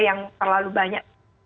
yang terlalu banyak